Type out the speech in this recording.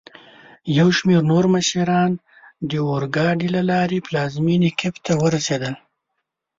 یوشمیرنورمشران داورګاډي له لاري پلازمېني کېف ته ورسېدل.